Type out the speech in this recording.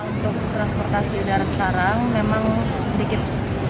untuk transportasi udara sekarang memang sedikit